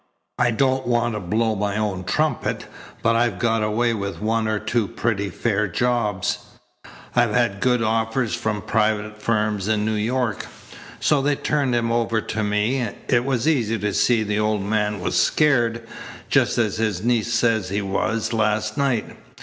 I don't want to blow my own trumpet, but I've got away with one or two pretty fair jobs. I've had good offers from private firms in New York. So they turned him over to me. It was easy to see the old man was scared, just as his niece says he was last night.